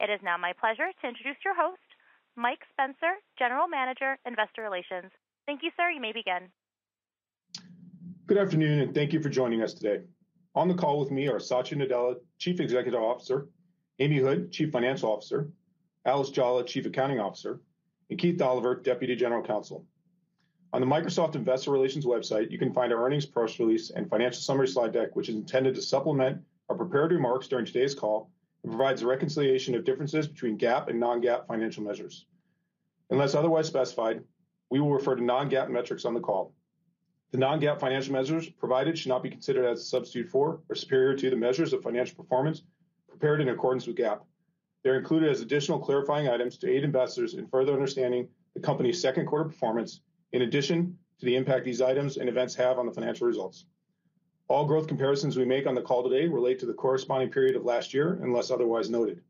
It is now my pleasure to introduce your host, Mike Spencer, General Manager, Investor Relations. Thank you, sir. You may begin. Good afternoon, and thank you for joining us today. On the call with me are Satya Nadella, Chief Executive Officer, Amy Hood, Chief Financial Officer, Alice Jolla, Chief Accounting Officer, and Keith Dolliver, Deputy General Counsel. On the Microsoft Investor Relations website, you can find our earnings press release and financial summary slide deck, which is intended to supplement our prepared remarks during today's call and provides a reconciliation of differences between GAAP and non-GAAP financial measures. Unless otherwise specified, we will refer to non-GAAP metrics on the call. The non-GAAP financial measures provided should not be considered as a substitute for or superior to the measures of financial performance prepared in accordance with GAAP. They are included as additional clarifying items to aid investors in further understanding the company's second-quarter performance in addition to the impact these items and events have on the financial results. All growth comparisons we make on the call today relate to the corresponding period of last year, unless otherwise noted.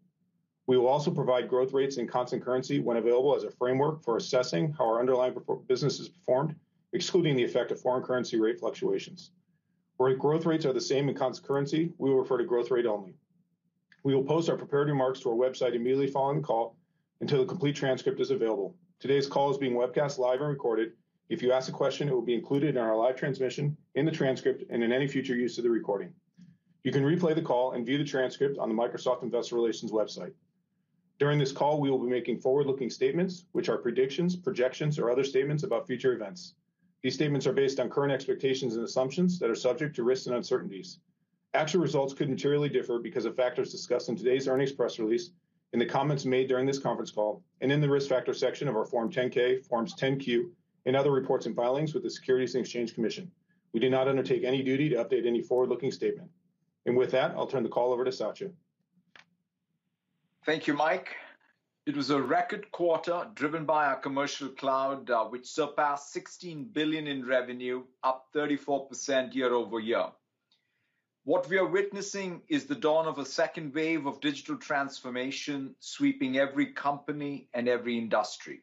We will also provide growth rates and constant currency when available as a framework for assessing how our underlying business has performed, excluding the effect of foreign currency rate fluctuations. Where growth rates are the same in constant currency, we will refer to growth rate only. We will post our prepared remarks to our website immediately following the call until the complete transcript is available. Today's call is being webcast live and recorded. If you ask a question, it will be included in our live transmission, in the transcript, and in any future use of the recording. You can replay the call and view the transcript on the Microsoft Investor Relations website. During this call, we will be making forward-looking statements, which are predictions, projections, or other statements about future events. These statements are based on current expectations and assumptions that are subject to risks and uncertainties. Actual results could materially differ because of factors discussed in today's earnings press release, in the comments made during this conference call, and in the Risk Factors section of our Form 10-K, Forms 10-Q and other reports and filings with the Securities and Exchange Commission. We do not undertake any duty to update any forward-looking statement. With that, I'll turn the call over to Satya. Thank you, Mike. It was a record quarter driven by our commercial cloud, which surpassed $16 billion in revenue, up 34% year-over-year. What we are witnessing is the dawn of a second wave of digital transformation sweeping every company and every industry.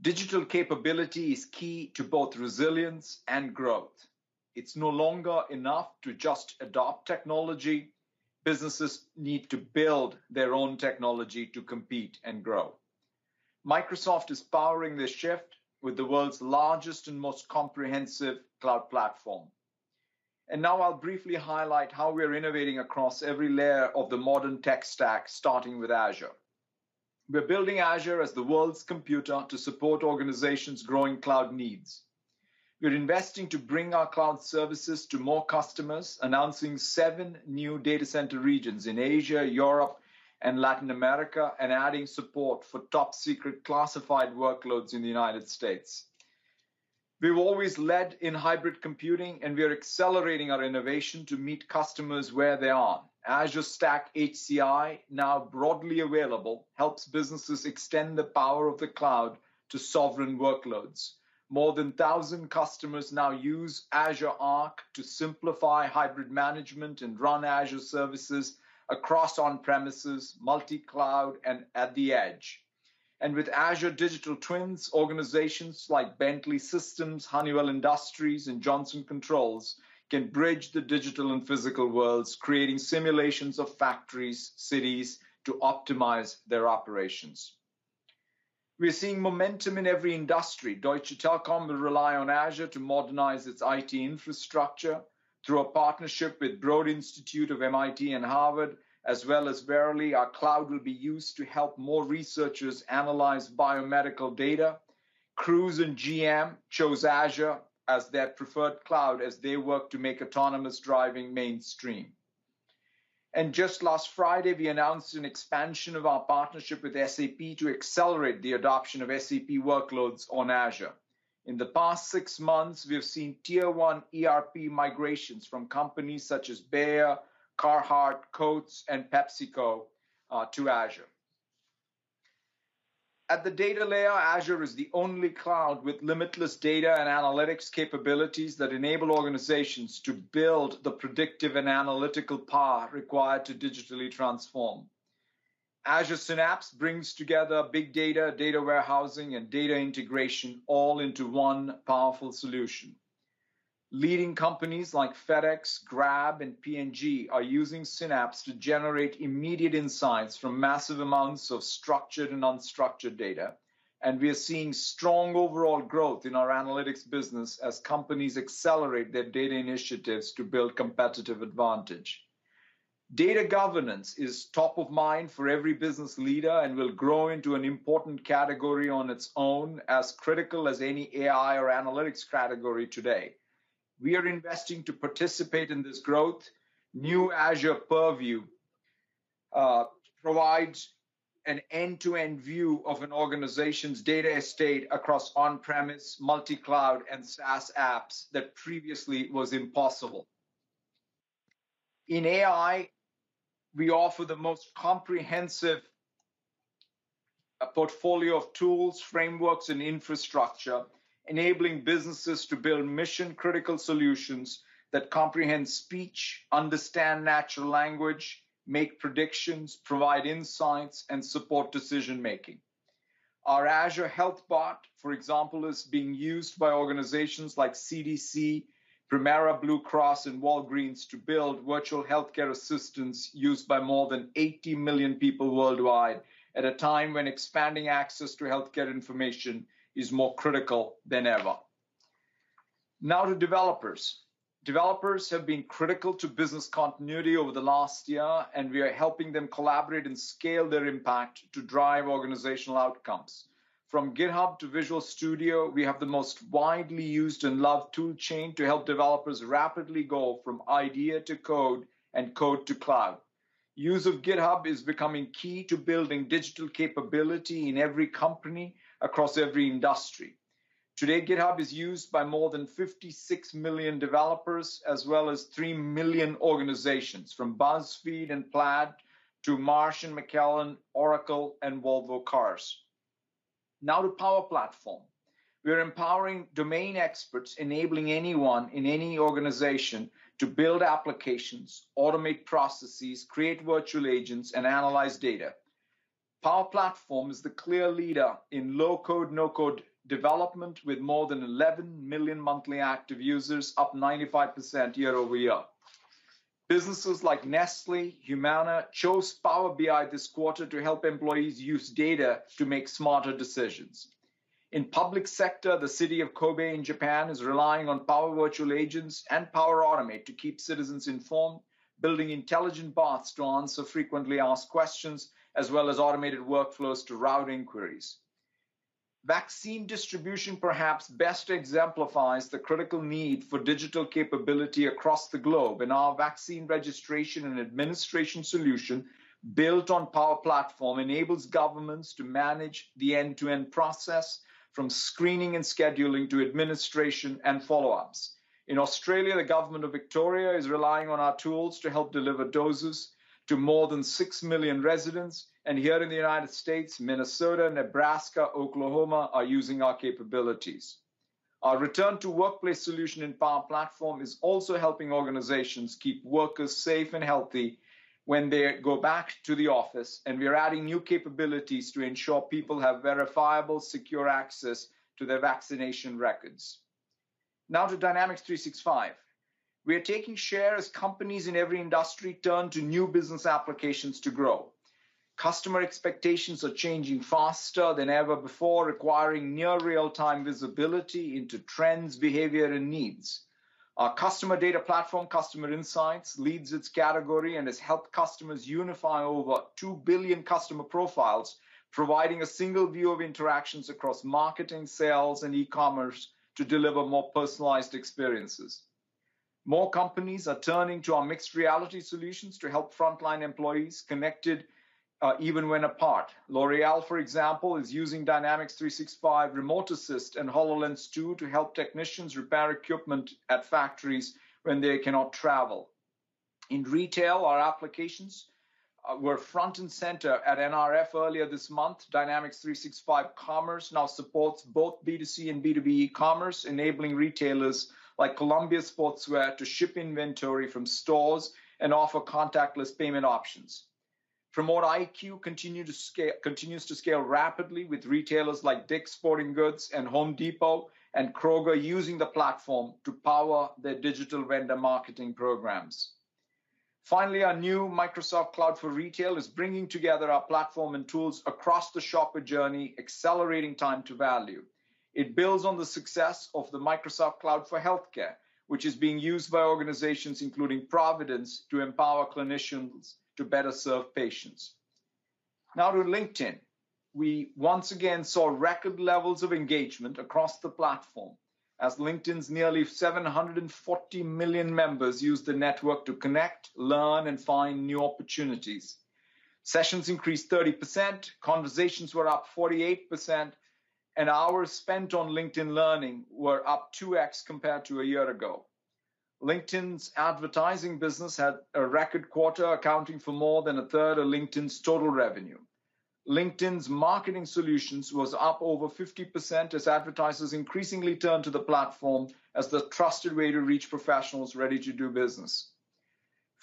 Digital capability is key to both resilience and growth. It's no longer enough to just adopt technology. Businesses need to build their own technology to compete and grow. Microsoft is powering this shift with the world's largest and most comprehensive cloud platform. Now I'll briefly highlight how we're innovating across every layer of the modern tech stack, starting with Azure. We're building Azure as the world's computer to support organizations' growing cloud needs. We're investing to bring our cloud services to more customers, announcing seven new data center regions in Asia, Europe, and Latin America, and adding support for top-secret classified workloads in the U.S. We've always led in hybrid computing. We are accelerating our innovation to meet customers where they are. Azure Stack HCI, now broadly available, helps businesses extend the power of the cloud to sovereign workloads. More than 1,000 customers now use Azure Arc to simplify hybrid management and run Azure services across on-premises, multi-cloud, and at the edge. With Azure Digital Twins, organizations like Bentley Systems, Honeywell Industries, and Johnson Controls can bridge the digital and physical worlds, creating simulations of factories, cities to optimize their operations. We are seeing momentum in every industry. Deutsche Telekom will rely on Azure to modernize its IT infrastructure through a partnership with Broad Institute of MIT and Harvard. As well as Verily, our cloud will be used to help more researchers analyze biomedical data. Cruise and GM chose Azure as their preferred cloud as they work to make autonomous driving mainstream. Just last Friday, we announced an expansion of our partnership with SAP to accelerate the adoption of SAP workloads on Azure. In the past six months, we have seen Tier 1 ERP migrations from companies such as Bayer, Carhartt, Coats Digital, and PepsiCo to Azure. At the data layer, Azure is the only cloud with limitless data and analytics capabilities that enable organizations to build the predictive and analytical power required to digitally transform. Azure Synapse brings together big data warehousing and data integration all into one powerful solution. Leading companies like FedEx, Grab, and P&G are using Synapse to generate immediate insights from massive amounts of structured and unstructured data. We are seeing strong overall growth in our analytics business as companies accelerate their data initiatives to build competitive advantage. Data governance is top of mind for every business leader and will grow into an important category on its own as critical as any AI or analytics category today. We are investing to participate in this growth. New Azure Purview provides an end-to-end view of an organization's data estate across on-premise, multi-cloud, and SaaS apps that previously was impossible. In AI, we offer the most comprehensive portfolio of tools, frameworks, and infrastructure, enabling businesses to build mission-critical solutions that comprehend speech, understand natural language, make predictions, provide insights, and support decision-making. Our Azure Health Bot, for example, is being used by organizations like CDC, Premera Blue Cross, and Walgreens to build virtual healthcare assistance used by more than 80 million people worldwide at a time when expanding access to healthcare information is more critical than ever. To developers. Developers have been critical to business continuity over the last year, and we are helping them collaborate and scale their impact to drive organizational outcomes. From GitHub to Visual Studio, we have the most widely used and loved tool chain to help developers rapidly go from idea to code and code to cloud. Use of GitHub is becoming key to building digital capability in every company across every industry. Today, GitHub is used by more than 56 million developers, as well as three million organizations, from BuzzFeed and Plaid to Marsh McLennan, Oracle, and Volvo Cars. To Power Platform. We're empowering domain experts, enabling anyone in any organization to build applications, automate processes, create virtual agents, and analyze data. Power Platform is the clear leader in low-code, no-code development with more than 11 million monthly active users, up 95% year-over-year. Businesses like Nestlé, Humana, chose Power BI this quarter to help employees use data to make smarter decisions. In public sector, the city of Kobe in Japan is relying on Power Virtual Agents and Power Automate to keep citizens informed, building intelligent bots to answer frequently asked questions, as well as automated workflows to route inquiries. Vaccine distribution perhaps best exemplifies the critical need for digital capability across the globe, our vaccine registration and administration solution built on Power Platform enables governments to manage the end-to-end process from screening and scheduling to administration and follow-ups. In Australia, the government of Victoria is relying on our tools to help deliver doses to more than six million residents, and here in the U.S., Minnesota, Nebraska, Oklahoma are using our capabilities. Our return to workplace solution in Power Platform is also helping organizations keep workers safe and healthy when they go back to the office, and we are adding new capabilities to ensure people have verifiable secure access to their vaccination records. Now to Dynamics 365. We are taking share as companies in every industry turn to new business applications to grow. Customer expectations are changing faster than ever before, requiring near real-time visibility into trends, behavior, and needs. Our customer data platform, Customer Insights, leads its category and has helped customers unify over two billion customer profiles, providing a single view of interactions across marketing, sales, and e-commerce to deliver more personalized experiences. More companies are turning to our mixed reality solutions to help frontline employees connected, even when apart. L'Oréal, for example, is using Dynamics 365 Remote Assist and HoloLens 2 to help technicians repair equipment at factories when they cannot travel. In retail, our applications were front and center at NRF earlier this month. Dynamics 365 Commerce now supports both B2C and B2B e-commerce, enabling retailers like Columbia Sportswear to ship inventory from stores and offer contactless payment options. PromoteIQ continues to scale rapidly with retailers like DICK'S Sporting Goods and Home Depot and Kroger using the platform to power their digital vendor marketing programs. Finally, our new Microsoft Cloud for Retail is bringing together our platform and tools across the shopper journey, accelerating time to value. It builds on the success of the Microsoft Cloud for Healthcare, which is being used by organizations including Providence to empower clinicians to better serve patients. Now to LinkedIn. We once again saw record levels of engagement across the platform as LinkedIn's nearly 740 million members used the network to connect, learn, and find new opportunities. Sessions increased 30%, conversations were up 48%, and hours spent on LinkedIn Learning were up 2x compared to a year ago. LinkedIn's advertising business had a record quarter, accounting for more than 1/3 of LinkedIn's total revenue. LinkedIn's marketing solutions were up over 50% as advertisers increasingly turned to the platform as the trusted way to reach professionals ready to do business.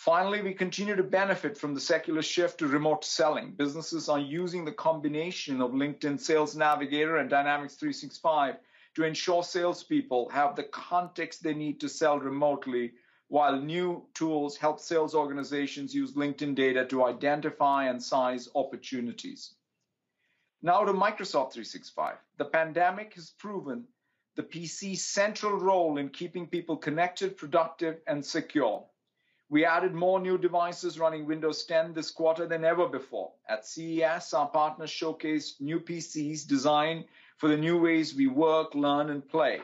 Finally, we continue to benefit from the secular shift to remote selling. Businesses are using the combination of LinkedIn Sales Navigator and Dynamics 365 to ensure salespeople have the context they need to sell remotely, while new tools help sales organizations use LinkedIn data to identify and size opportunities. Now to Microsoft 365. The pandemic has proven the PC's central role in keeping people connected, productive, and secure. We added more new devices running Windows 10 this quarter than ever before. At CES, our partners showcased new PCs designed for the new ways we work, learn, and play.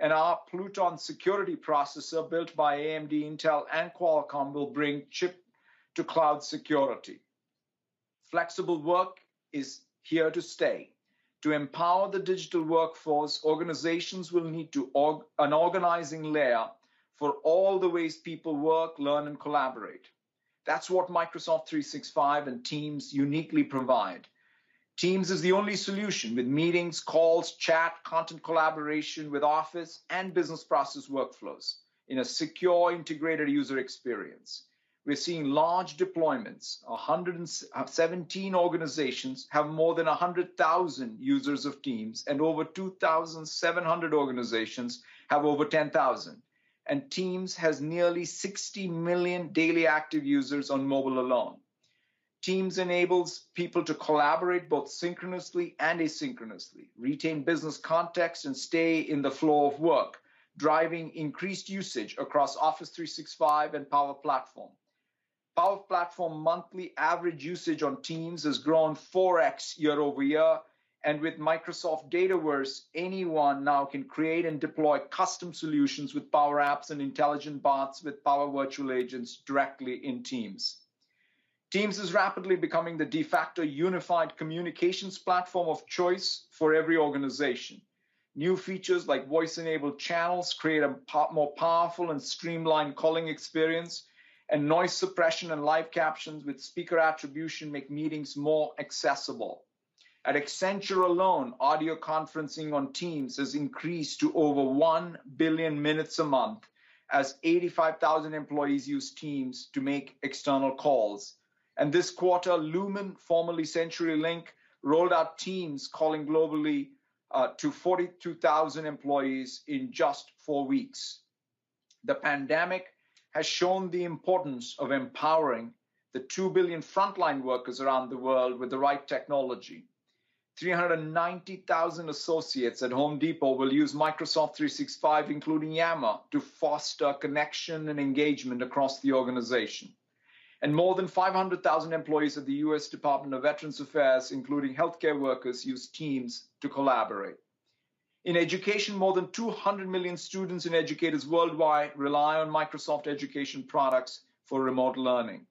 Our Pluton security processor, built by AMD, Intel, and Qualcomm, will bring chip-to-cloud security. Flexible work is here to stay. To empower the digital workforce, organizations will need an organizing layer for all the ways people work, learn, and collaborate. That's what Microsoft 365 and Microsoft Teams uniquely provide. Microsoft Teams is the only solution with meetings, calls, chat, content collaboration with Office and business process workflows in a secure, integrated user experience. We're seeing large deployments. 117 organizations have more than 100,000 users of Microsoft Teams, and over 2,700 organizations have over 10,000. Microsoft Teams has nearly 60 million daily active users on mobile alone. Microsoft Teams enables people to collaborate both synchronously and asynchronously, retain business context, and stay in the flow of work, driving increased usage across Office 365 and Power Platform. Power Platform monthly average usage on Microsoft Teams has grown 4x year-over-year, and with Microsoft Dataverse, anyone now can create and deploy custom solutions with Power Apps and intelligent bots with Power Virtual Agents directly in Microsoft Teams. Microsoft Teams is rapidly becoming the de facto unified communications platform of choice for every organization. New features like voice-enabled channels create a more powerful and streamlined calling experience, and noise suppression and live captions with speaker attribution make meetings more accessible. At Accenture alone, audio conferencing on Microsoft Teams has increased to over one billion minutes a month as 85,000 employees use Microsoft Teams to make external calls. This quarter, Lumen, formerly CenturyLink, rolled out Microsoft Teams calling globally to 42,000 employees in just four weeks. The pandemic has shown the importance of empowering the two billion frontline workers around the world with the right technology. 390,000 associates at Home Depot will use Microsoft 365, including Yammer, to foster connection and engagement across the organization. More than 500,000 employees at the U.S. Department of Veterans Affairs, including healthcare workers, use Microsoft Teams to collaborate. In education, more than 200 million students and educators worldwide rely on Microsoft education products for remote learning.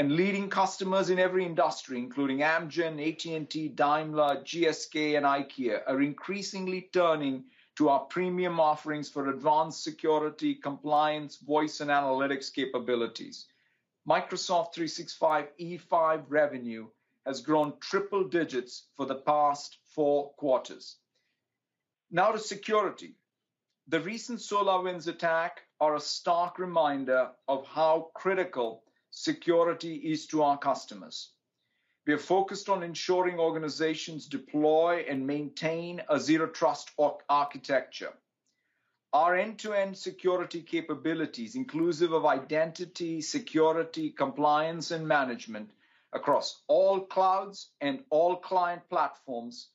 Leading customers in every industry, including Amgen, AT&T, Daimler, GSK, and IKEA, are increasingly turning to our premium offerings for advanced security, compliance, voice, and analytics capabilities. Microsoft 365 E5 revenue has grown triple digits for the past four quarters. Now to security. The recent SolarWinds attack are a stark reminder of how critical security is to our customers. We are focused on ensuring organizations deploy and maintain a Zero Trust Architecture. Our end-to-end security capabilities, inclusive of identity, security, compliance, and management across all clouds and all client platforms,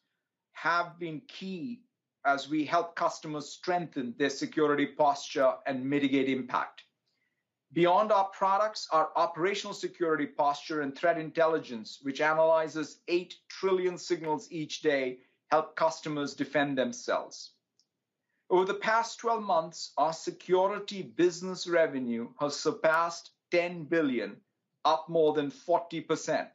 have been key as we help customers strengthen their security posture and mitigate impact. Beyond our products, our operational security posture and threat intelligence, which analyzes eight trillion signals each day, help customers defend themselves. Over the past 12 months, our security business revenue has surpassed $10 billion, up more than 40%.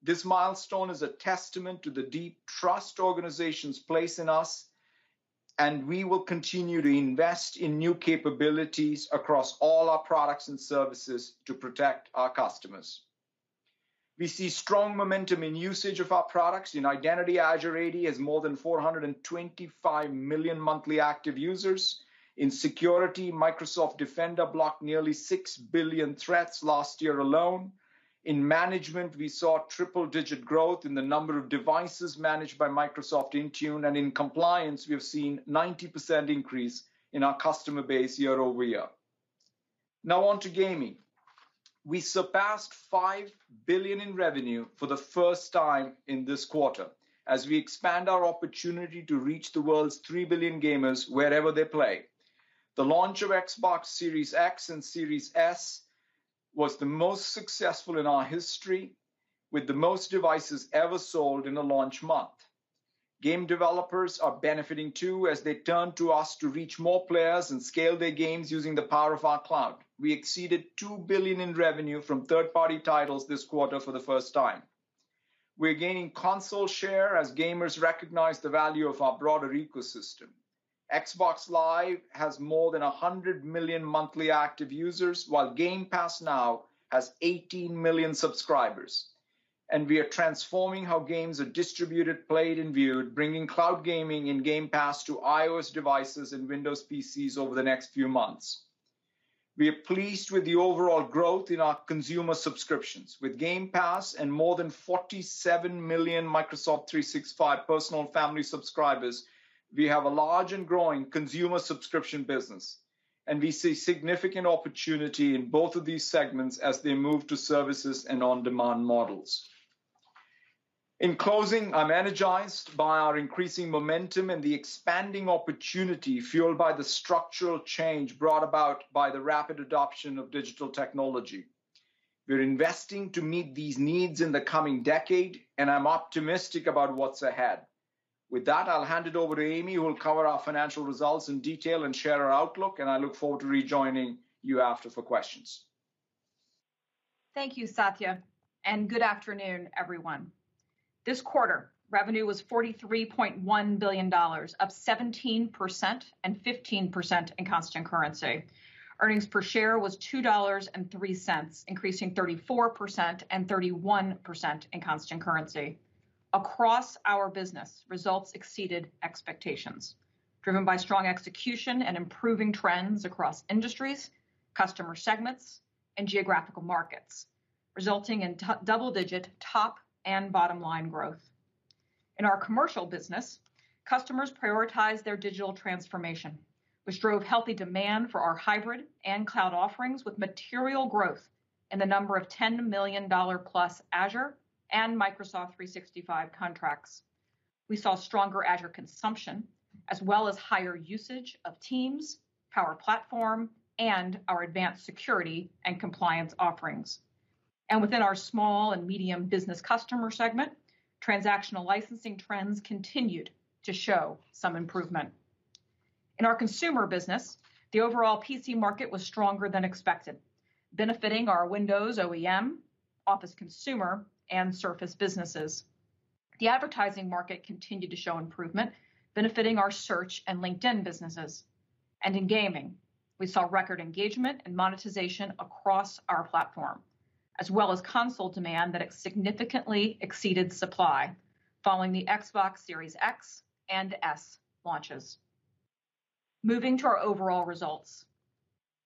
This milestone is a testament to the deep trust organizations place in us, and we will continue to invest in new capabilities across all our products and services to protect our customers. We see strong momentum in usage of our products. In identity, Azure AD has more than 425 million monthly active users. In security, Microsoft Defender blocked nearly six billion threats last year alone. In management, we saw triple-digit growth in the number of devices managed by Microsoft Intune. In compliance, we have seen 90% increase in our customer base year-over-year. Now on to gaming. We surpassed $5 billion in revenue for the first time in this quarter as we expand our opportunity to reach the world's three billion gamers wherever they play. The launch of Xbox Series X and Series S was the most successful in our history, with the most devices ever sold in a launch month. Game developers are benefiting too as they turn to us to reach more players and scale their games using the power of our cloud. We exceeded $2 billion in revenue from third-party titles this quarter for the first time. We're gaining console share as gamers recognize the value of our broader ecosystem. Xbox Live has more than 100 million monthly active users while Game Pass now has 18 million subscribers. We are transforming how games are distributed, played, and viewed, bringing cloud gaming and Game Pass to iOS devices and Windows PCs over the next few months. We are pleased with the overall growth in our consumer subscriptions. With Game Pass and more than 47 million Microsoft 365 Personal and Family subscribers, we have a large and growing consumer subscription business, and we see significant opportunity in both of these segments as they move to services and on-demand models. In closing, I'm energized by our increasing momentum and the expanding opportunity fueled by the structural change brought about by the rapid adoption of digital technology. We're investing to meet these needs in the coming decade, and I'm optimistic about what's ahead. With that, I'll hand it over to Amy who will cover our financial results in detail and share our outlook, and I look forward to rejoining you after for questions. Thank you, Satya, and good afternoon, everyone. This quarter, revenue was $43.1 billion, up 17% and 15% in constant currency. Earnings per share was $2.03, increasing 34% and 31% in constant currency. Across our business, results exceeded expectations, driven by strong execution and improving trends across industries, customer segments, and geographical markets, resulting in double-digit top and bottom line growth. In our commercial business, customers prioritized their digital transformation, which drove healthy demand for our hybrid and cloud offerings with material growth in the number of $10 million+ Azure and Microsoft 365 contracts. We saw stronger Azure consumption, as well as higher usage of Microsoft Teams, Power Platform, and our advanced security and compliance offerings. Within our small and medium business customer segment, transactional licensing trends continued to show some improvement. In our consumer business, the overall PC market was stronger than expected, benefiting our Windows OEM, Office Consumer, and Surface businesses. The advertising market continued to show improvement, benefiting our Search and LinkedIn businesses. In gaming, we saw record engagement and monetization across our platform, as well as console demand that significantly exceeded supply following the Xbox Series X and Series S launches. Moving to our overall results.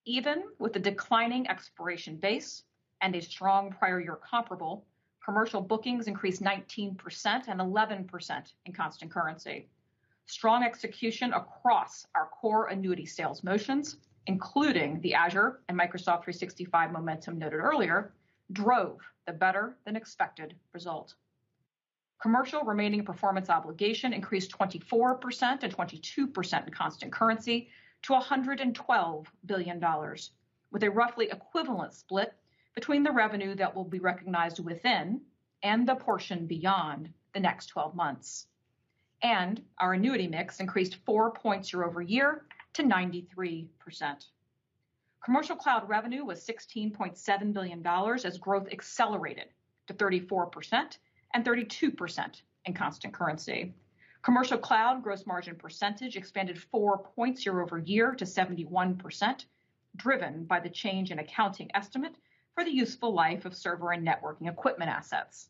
Even with the declining expiration base and a strong prior year comparable, commercial bookings increased 19% and 11% in constant currency. Strong execution across our core annuity sales motions, including the Azure and Microsoft 365 momentum noted earlier, drove the better-than-expected result. Commercial remaining performance obligation increased 24% and 22% in constant currency to $112 billion, with a roughly equivalent split between the revenue that will be recognized within and the portion beyond the next 12 months. Our annuity mix increased four points year-over-year to 93%. Commercial cloud revenue was $16.7 billion as growth accelerated to 34% and 32% in constant currency. Commercial cloud gross margin percentage expanded four points year-over-year to 71%, driven by the change in accounting estimate for the useful life of server and networking equipment assets.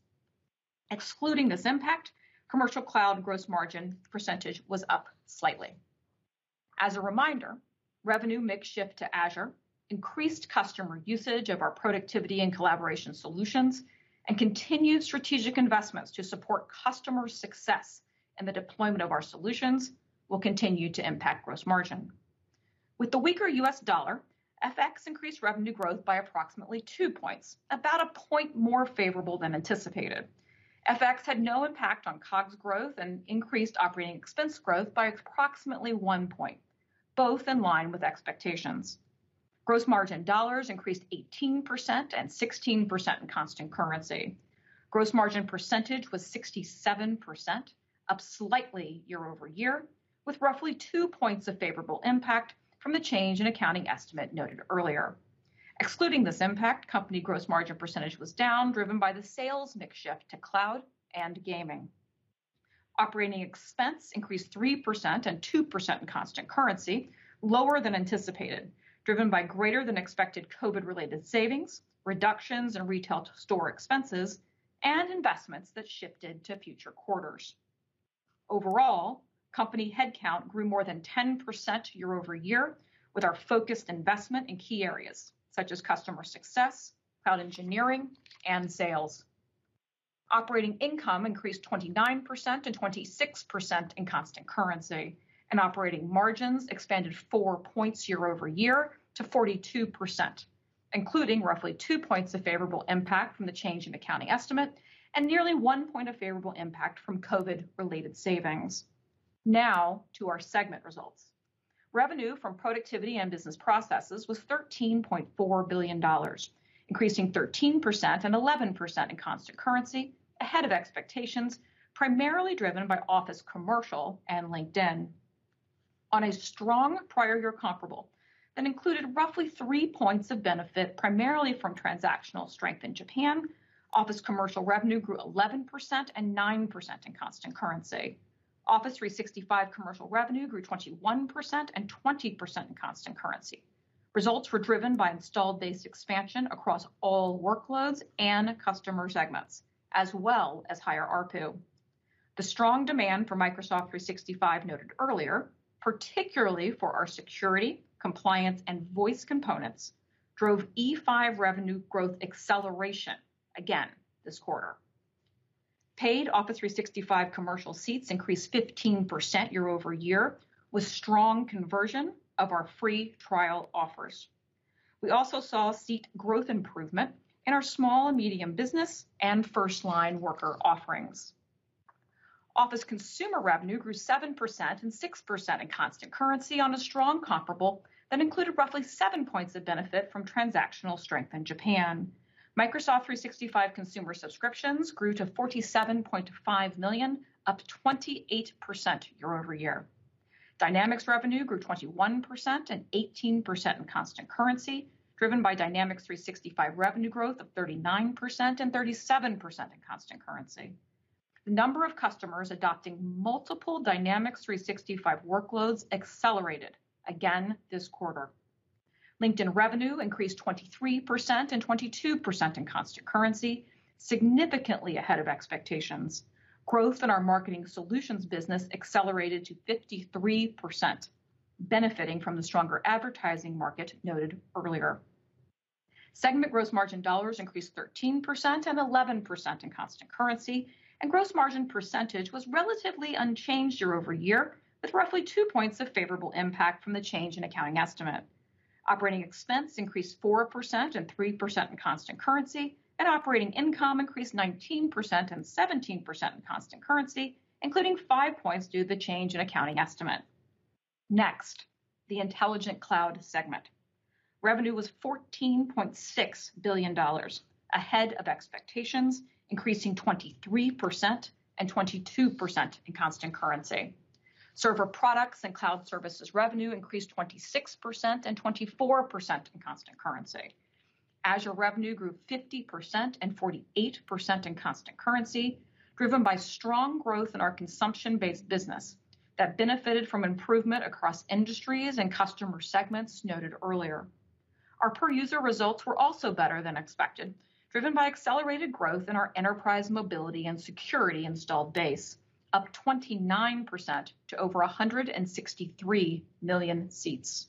Excluding this impact, Commercial cloud gross margin percentage was up slightly. As a reminder, revenue mix shift to Azure increased customer usage of our productivity and collaboration solutions and continued strategic investments to support customer success, and the deployment of our solutions will continue to impact gross margin. With the weaker U.S. dollar, FX increased revenue growth by approximately two points, about a point more favorable than anticipated. FX had no impact on COGS growth and increased operating expense growth by approximately one point, both in line with expectations. Gross margin dollars increased 18% and 16% in constant currency. Gross margin percentage was 67%, up slightly year-over-year, with roughly two points of favorable impact from the change in accounting estimate noted earlier. Excluding this impact, company gross margin percentage was down, driven by the sales mix shift to cloud and gaming. Operating expense increased 3% and 2% in constant currency, lower than anticipated, driven by greater-than-expected COVID-related savings, reductions in retail-to-store expenses, and investments that shifted to future quarters. Overall, company headcount grew more than 10% year-over-year with our focused investment in key areas such as customer success, cloud engineering, and sales. Operating income increased 29% and 26% in constant currency, and operating margins expanded four points year-over-year to 42%, including roughly two points of favorable impact from the change in accounting estimate and nearly one point of favorable impact from COVID-related savings. Now to our segment results. Revenue from Productivity and Business Processes was $13.4 billion, increasing 13% and 11% in constant currency, ahead of expectations, primarily driven by Office Commercial and LinkedIn. On a strong prior year comparable that included roughly three points of benefit, primarily from transactional strength in Japan, Office Commercial revenue grew 11% and 9% in constant currency. Office 365 Commercial revenue grew 21% and 20% in constant currency. Results were driven by installed base expansion across all workloads and customer segments, as well as higher ARPU. The strong demand for Microsoft 365 noted earlier, particularly for our security, compliance, and voice components, drove Microsoft 365 E5 revenue growth acceleration again this quarter. Paid Office 365 Commercial seats increased 15% year-over-year with strong conversion of our free trial offers. We also saw seat growth improvement in our small and medium business and first-line worker offerings. Office Consumer revenue grew 7% and 6% in constant currency on a strong comparable that included roughly seven points of benefit from transactional strength in Japan. Microsoft 365 Consumer subscriptions grew to 47.5 million, up 28% year-over-year. Dynamics revenue grew 21% and 18% in constant currency, driven by Dynamics 365 revenue growth of 39% and 37% in constant currency. The number of customers adopting multiple Dynamics 365 workloads accelerated again this quarter. LinkedIn revenue increased 23% and 22% in constant currency, significantly ahead of expectations. Growth in our marketing solutions business accelerated to 53%, benefiting from the stronger advertising market noted earlier. Segment gross margin dollars increased 13% and 11% in constant currency, and gross margin percentage was relatively unchanged year-over-year, with roughly two points of favorable impact from the change in accounting estimate. Operating expense increased 4% and 3% in constant currency, and operating income increased 19% and 17% in constant currency, including five points due to the change in accounting estimate. Next, the Intelligent Cloud segment. Revenue was $14.6 billion, ahead of expectations, increasing 23% and 22% in constant currency. Server products and cloud services revenue increased 26% and 24% in constant currency. Azure revenue grew 50% and 48% in constant currency, driven by strong growth in our consumption-based business that benefited from improvement across industries and customer segments noted earlier. Our per-user results were also better than expected, driven by accelerated growth in our Enterprise Mobility + Security installed base, up 29% to over 163 million seats.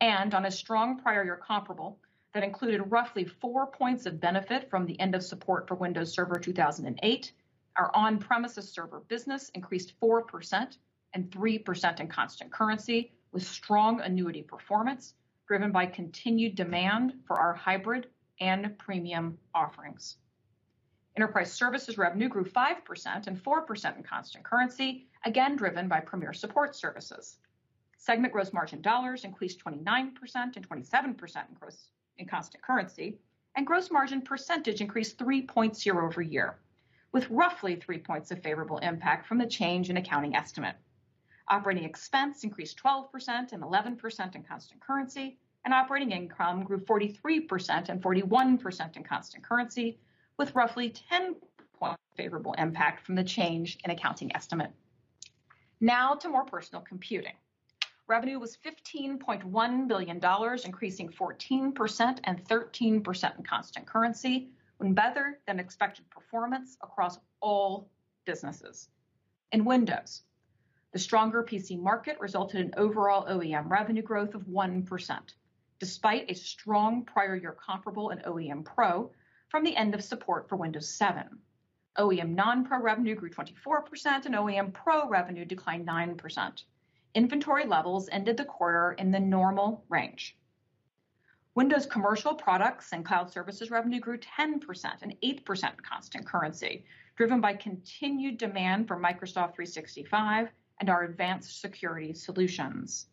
On a strong prior year comparable that included roughly four points of benefit from the end of support for Windows Server 2008, our on-premises server business increased 4% and 3% in constant currency, with strong annuity performance driven by continued demand for our hybrid and premium offerings. Enterprise Services revenue grew 5% and 4% in constant currency, again driven by premier support services. Segment gross margin dollars increased 29% and 27% in gross in constant currency, and gross margin percentage increased three points year-over-year, with roughly three points of favorable impact from the change in accounting estimate. Operating expense increased 12% and 11% in constant currency, and operating income grew 43% and 41% in constant currency, with roughly 10 points favorable impact from the change in accounting estimate. To More Personal Computing. Revenue was $15.1 billion, increasing 14% and 13% in constant currency, with better-than-expected performance across all businesses. In Windows, the stronger PC market resulted in overall OEM revenue growth of 1%, despite a strong prior year comparable in OEM Pro from the end of support for Windows 7. OEM non-Pro revenue grew 24%, and OEM Pro revenue declined 9%. Inventory levels ended the quarter in the normal range. Windows commercial products and cloud services revenue grew 10% and 8% constant currency, driven by continued demand for Microsoft 365 and our advanced security solutions.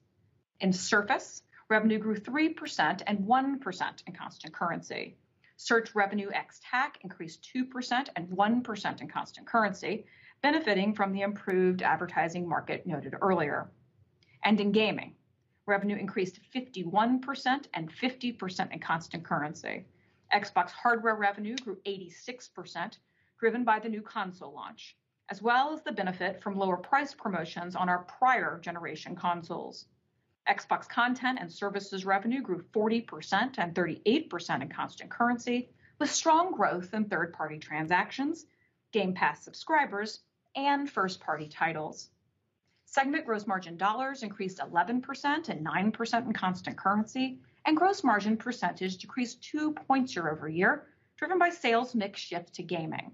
In Surface, revenue grew 3% and 1% in constant currency. Search Revenue ex-TAC increased 2% and 1% in constant currency, benefiting from the improved advertising market noted earlier. In gaming, revenue increased 51% and 50% in constant currency. Xbox hardware revenue grew 86%, driven by the new console launch, as well as the benefit from lower price promotions on our prior generation consoles. Xbox content and services revenue grew 40% and 38% in constant currency, with strong growth in third-party transactions, Game Pass subscribers, and first-party titles. Segment gross margin dollars increased 11% and 9% in constant currency. Gross margin percentage decreased two points year-over-year, driven by sales mix shift to gaming.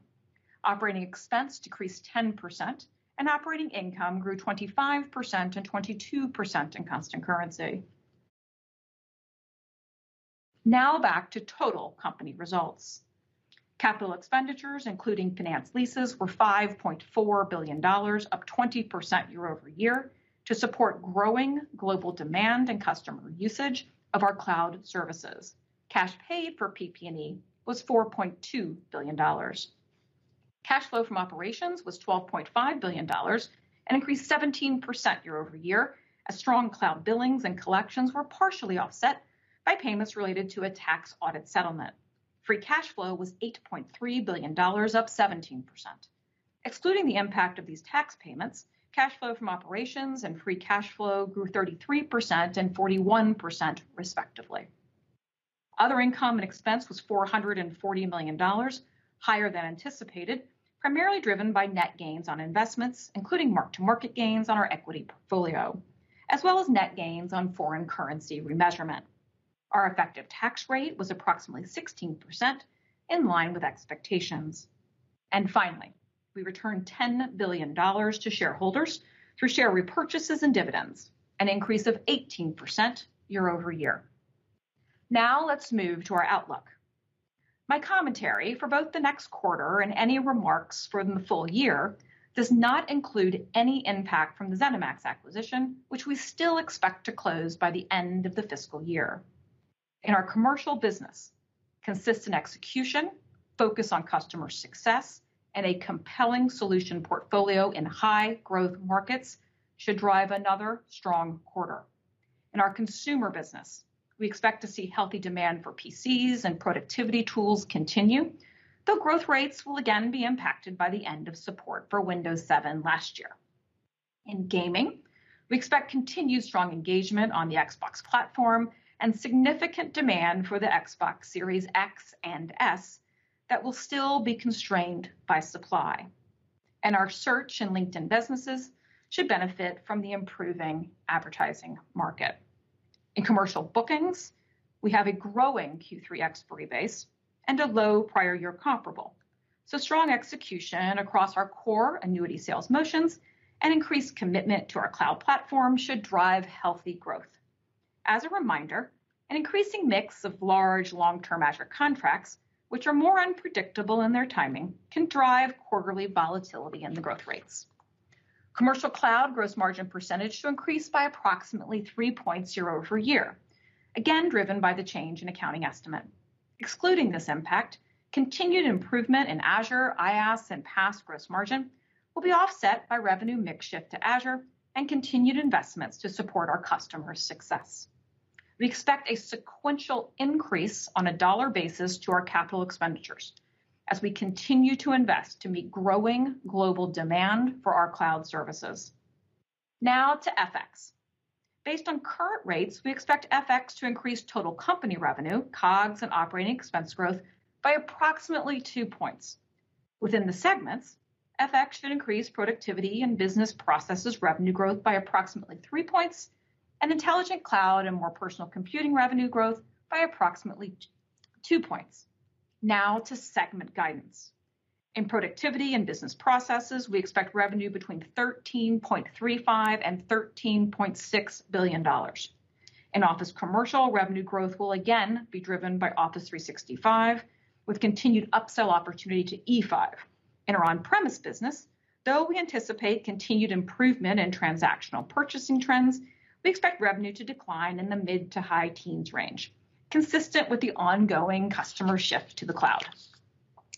Operating expense decreased 10%. Operating income grew 25% and 22% in constant currency. Now back to total company results. Capital expenditures, including finance leases, were $5.4 billion, up 20% year-over-year, to support growing global demand and customer usage of our cloud services. Cash paid for PP&E was $4.2 billion. Cash flow from operations was $12.5 billion and increased 17% year-over-year, as strong cloud billings and collections were partially offset by payments related to a tax audit settlement. Free cash flow was $8.3 billion, up 17%. Excluding the impact of these tax payments, cash flow from operations and free cash flow grew 33% and 41%, respectively. Other income and expense was $440 million, higher than anticipated, primarily driven by net gains on investments, including mark-to-market gains on our equity portfolio, as well as net gains on foreign currency remeasurement. Our effective tax rate was approximately 16%, in line with expectations. Finally, we returned $10 billion to shareholders through share repurchases and dividends, an increase of 18% year-over-year. Let's move to our outlook. My commentary for both the next quarter and any remarks for the full year does not include any impact from the ZeniMax acquisition, which we still expect to close by the end of the fiscal year. In our commercial business, consistent execution, focus on customer success, and a compelling solution portfolio in high-growth markets should drive another strong quarter. In our consumer business, we expect to see healthy demand for PCs and productivity tools continue, though growth rates will again be impacted by the end of support for Windows 7 last year. In gaming, we expect continued strong engagement on the Xbox platform and significant demand for the Xbox Series X and S that will still be constrained by supply. Our search and LinkedIn businesses should benefit from the improving advertising market. In commercial bookings, we have a growing Q3 expiry base and a low prior year comparable. Strong execution across our core annuity sales motions and increased commitment to our cloud platform should drive healthy growth. As a reminder, an increasing mix of large long-term Azure contracts, which are more unpredictable in their timing, can drive quarterly volatility in the growth rates. Commercial cloud gross margin percentage to increase by approximately three points year-over-year, again, driven by the change in accounting estimate. Excluding this impact, continued improvement in Azure, IaaS, and PaaS gross margin will be offset by revenue mix shift to Azure and continued investments to support our customer success. We expect a sequential increase on a dollar basis to our capital expenditures as we continue to invest to meet growing global demand for our cloud services. To FX. Based on current rates, we expect FX to increase total company revenue, COGS, and operating expense growth by approximately two points. Within the segments, FX should increase Productivity and Business Processes revenue growth by approximately three points, and Intelligent Cloud and More Personal Computing revenue growth by approximately two points. To segment guidance. In Productivity and Business Processes, we expect revenue between $13.35 billion and $13.6 billion. In Office Commercial, revenue growth will again be driven by Office 365, with continued upsell opportunities to Microsoft 365 E5. In our on-premise business, though we anticipate continued improvement in transactional purchasing trends, we expect revenue to decline in the mid-to-high teens range, consistent with the ongoing customer shift to the cloud.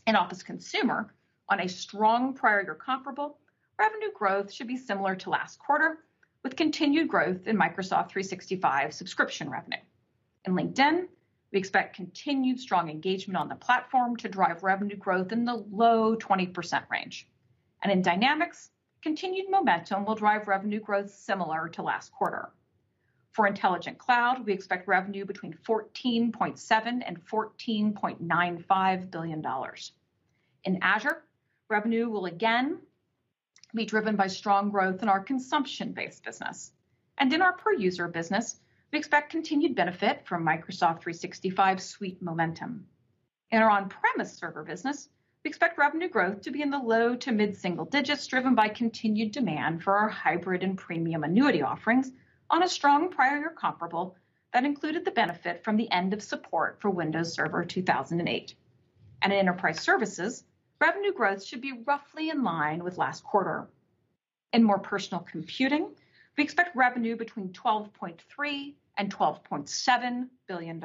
In Office Consumer, on a strong prior year comparable, revenue growth should be similar to last quarter, with continued growth in Microsoft 365 subscription revenue. In LinkedIn, we expect continued strong engagement on the platform to drive revenue growth in the low 20% range. In Dynamics, continued momentum will drive revenue growth similar to last quarter. For Intelligent Cloud, we expect revenue between $14.7 billion-$14.95 billion. In Azure, revenue will again be driven by strong growth in our consumption-based business. In our per-user business, we expect continued benefit from Microsoft 365 suite momentum. In our on-premise server business, we expect revenue growth to be in the low to mid-single digits, driven by continued demand for our hybrid and premium annuity offerings on a strong prior-year comparable that included the benefit from the end of support for Windows Server 2008. In Enterprise Services, revenue growth should be roughly in line with last quarter. In More Personal Computing, we expect revenue between $12.3 billion and $12.7 billion.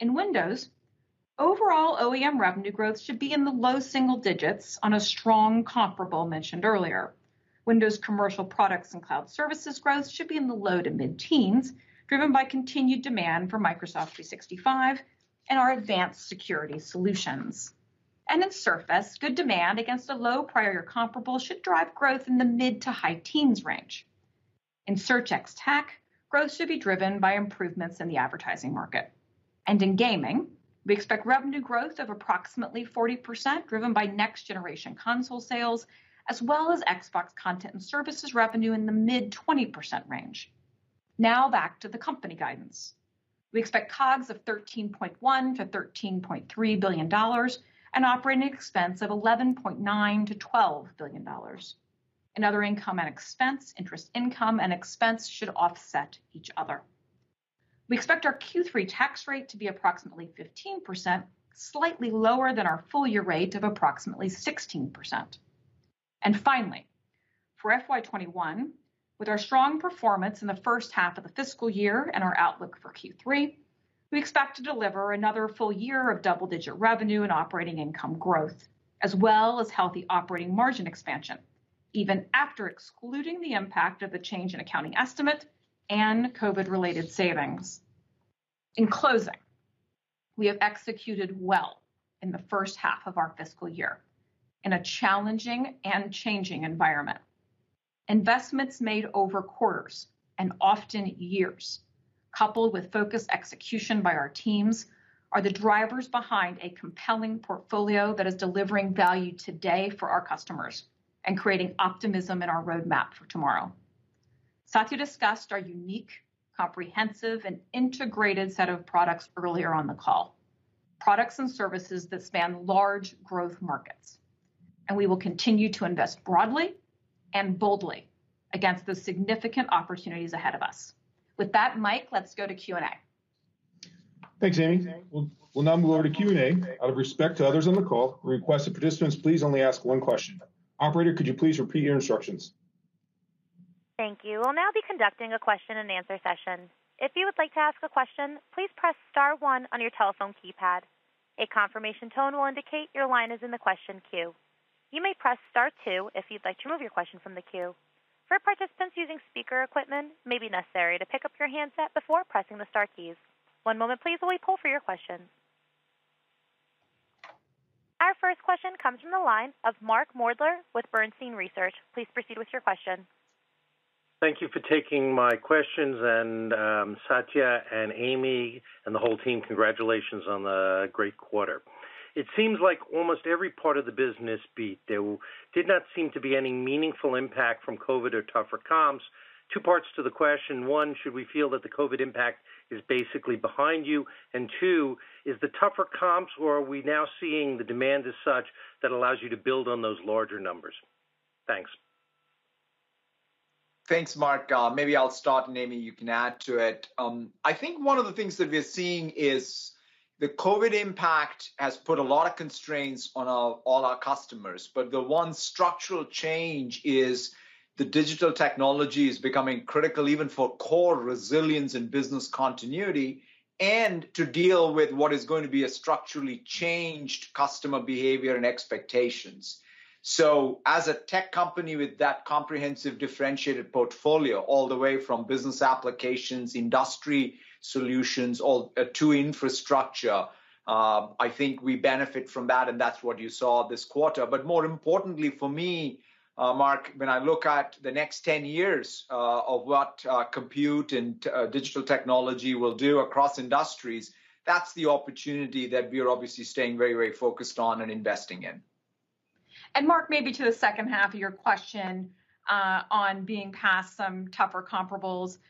In Windows, overall OEM revenue growth should be in the low single digits on a strong comparable mentioned earlier. Windows commercial products and cloud services growth should be in the low to mid-teens, driven by continued demand for Microsoft 365 and our advanced security solutions. In Surface, good demand against a low prior-year comparable should drive growth in the mid to high-teens range. Search ex-TAC, growth should be driven by improvements in the advertising market. In gaming, we expect revenue growth of approximately 40%, driven by next-generation console sales, as well as Xbox content and services revenue in the mid 20% range. Back to the company guidance. We expect COGS of $13.1 billion-$13.3 billion and operating expense of $11.9 billion-$12 billion. Other income and expense, interest income and expense should offset each other. We expect our Q3 tax rate to be approximately 15%, slightly lower than our full-year rate of approximately 16%. Finally, for FY 2021, with our strong performance in the first half of the fiscal year and our outlook for Q3, we expect to deliver another full year of double-digit revenue and operating income growth, as well as healthy operating margin expansion, even after excluding the impact of the change in accounting estimate and COVID-related savings. In closing, we have executed well in the first half of our fiscal year in a challenging and changing environment. Investments made over quarters and often years, coupled with focused execution by our teams, are the drivers behind a compelling portfolio that is delivering value today for our customers and creating optimism in our roadmap for tomorrow. Satya discussed our unique, comprehensive, and integrated set of products earlier on the call, products and services that span large growth markets. We will continue to invest broadly and boldly against the significant opportunities ahead of us. With that, Mike, let's go to Q&A. Thanks, Amy. We'll now move over to Q&A. Out of respect to others on the call, we request that participants please only ask one question. Operator, could you please repeat your instructions? Thank you. We'll now be conducting a question and answer session. If you would like to ask a question, please press star one on your telephone keypad. A confirmation tone will indicate your line is in the question queue. You may press star two if you'd like to remove your question from the queue. For participants using speaker equipment, it may be necessary to pick up your handset before pressing the star key. One moment, please, while we pull for your questions. Our first question comes from the line of Mark Moerdler with Bernstein Research. Please proceed with your question. Thank you for taking my questions, and Satya and Amy and the whole team, congratulations on a great quarter. It seems like almost every part of the business beat. There did not seem to be any meaningful impact from COVID or tougher comps. Two parts to the question. One, should we feel that the COVID impact is basically behind you? Two, is the tougher comps or are we now seeing the demand as such that allows you to build on those larger numbers? Thanks. Thanks, Mark. Maybe I'll start and, Amy, you can add to it. I think one of the things that we're seeing is the COVID impact has put a lot of constraints on our, all our customers. The one structural change is the digital technology is becoming critical even for core resilience and business continuity and to deal with what is going to be a structurally changed customer behavior and expectations. As a tech company with that comprehensive differentiated portfolio all the way from business applications, industry solutions, all to infrastructure, I think we benefit from that, and that's what you saw this quarter. More importantly for me, Mark, when I look at the next 10 years of what compute and digital technology will do across industries, that's the opportunity that we're obviously staying very, very focused on and investing in. Mark, maybe to the second half of your question, on being past some tougher comparables, you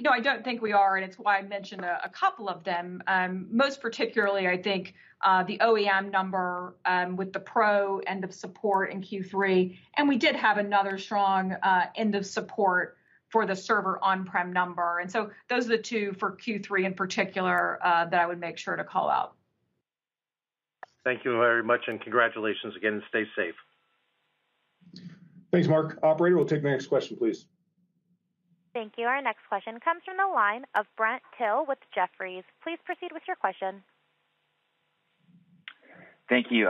know, I don't think we are, and it's why I mentioned a couple of them. Most particularly, I think the OEM number, with the pro end of support in Q3, and we did have another strong end of support for the server on-prem number. So those are the two for Q3 in particular that I would make sure to call out. Thank you very much, and congratulations again. Stay safe. Thanks, Mark. Operator, we'll take the next question, please. Thank you. Our next question comes from the line of Brent Thill with Jefferies. Please proceed with your question. Thank you.